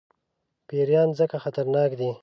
پیران ځکه خطرناک دي.